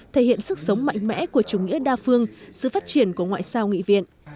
thể hiện sức sống mạnh mẽ của chủ nghĩa đa phương sự phát triển của ngoại sao nghị viện